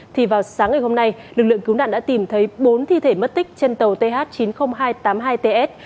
thì vào sáng ngày hôm nay lực lượng cứu nạn đã tìm thấy bốn thi thể mất tích trên tàu th chín mươi nghìn hai trăm tám mươi hai ts